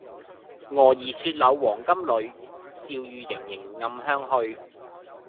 蛾兒雪柳黃金縷，笑語盈盈暗香去